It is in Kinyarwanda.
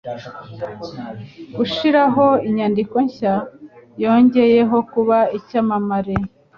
Gushiraho inyandiko nshya yongeyeho kuba icyamamare.